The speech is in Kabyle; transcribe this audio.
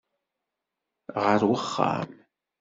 Ɣeṛ ar wexxam!